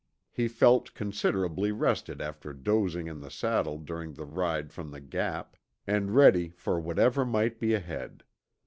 He felt considerably rested after dozing in the saddle during the ride from the Gap, and ready for whatever might be ahead.